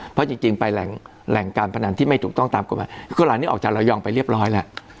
เพราะจริงไปแหล่งการพนันที่ไม่ถูกต้องตามกฎหมายคือหลานนี้ออกจากระยองไปเรียบร้อยแล้ว